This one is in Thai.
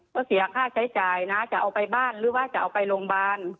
ก็เสียค่าใช้จ่ายนะจะเอาไปบ้านหรือว่าจะเอาไปโรงพยาบาล